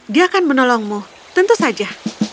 dia akan menolongmu tentu saja